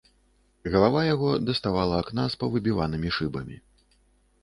Галава яго даставала акна з павыбіванымі шыбамі.